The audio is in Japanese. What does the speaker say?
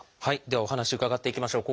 ではお話伺っていきましょう。